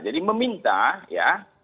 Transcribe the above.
jadi meminta ya